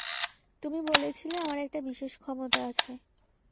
তুমি বলেছিলে আমার একটা বিশেষ ক্ষমতা আছে।